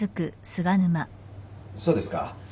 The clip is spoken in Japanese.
そうですか。